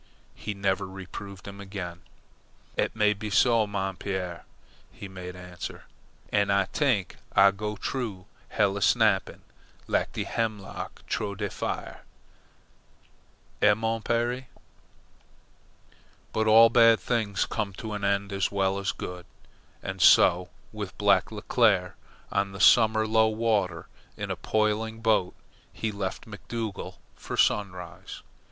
He never reproved him again. "Eet may be so, mon pere," he made answer. "An' Ah t'ink Ah go troo hell a snappin', lak de hemlock troo de fire. Eh, mon pere?" But all bad things come to an end as well as good, and so with Black Leclere. On the summer low water, in a poling boat, he left McDougall for Sunrise.